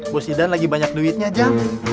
bos idan lagi banyak duitnya cik